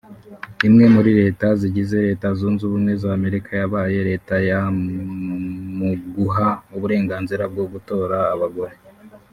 imwe muri leta zigize Leta Zunze Ubumwe za Amerika yabaye leta ya mu guha uburenganzira bwo gutora abagore